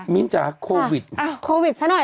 มิ้นจากโควิดโควิดสักหน่อยแล้วกัน